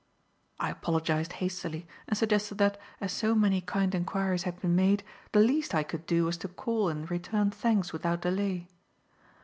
I apologized hastily and suggested that, as so many kind enquiries had been made, the least I could do was to call and return thanks without delay.